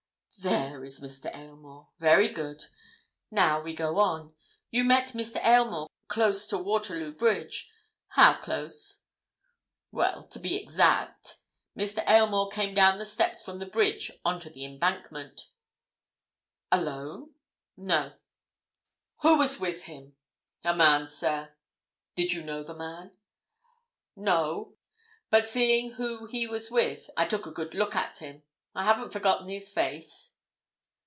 "There is Mr. Aylmore. Very good. Now we go on. You met Mr. Aylmore close to Waterloo Bridge? How close?" "Well, sir, to be exact, Mr. Aylmore came down the steps from the bridge on to the Embankment." "Alone?" "No." "Who was with him?" "A man, sir." "Did you know the man?" "No. But seeing who he was with. I took a good look at him. I haven't forgotten his face."